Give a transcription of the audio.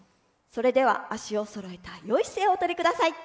それでは足をそろえてよい姿勢をおとりください。